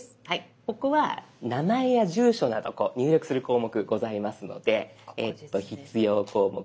ここは名前や住所など入力する項目ございますので必要項目をやはり埋めて頂きます。